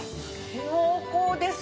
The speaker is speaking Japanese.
濃厚です。